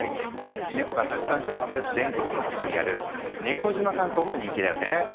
ネコがたくさん暮らす全国各地にある「猫島観光」も人気だよね。